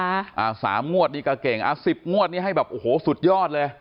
อ่าสามงวดนี่ก็เก่งอ่าสิบงวดนี้ให้แบบโอ้โหสุดยอดเลย